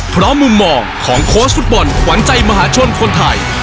เพราะมุมมองของโค้ชฟุตบอลขวัญใจมหาชนคนไทย